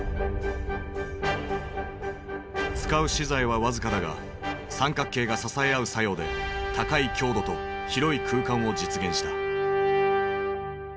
使う資材は僅かだが三角形が支え合う作用で高い強度と広い空間を実現した。